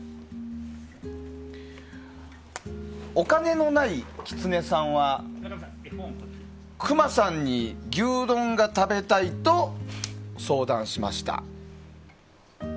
お金のないキツネさんはクマさんに牛丼が食べたいと相談しました。